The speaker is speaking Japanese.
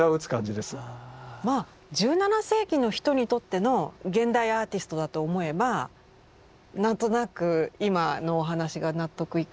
まあ１７世紀の人にとっての現代アーティストだと思えば何となく今のお話が納得いくというか。